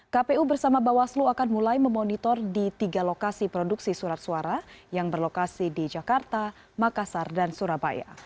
kpu bersama bawaslu akan mulai memonitor di tiga lokasi produksi surat suara yang berlokasi di jakarta makassar dan surabaya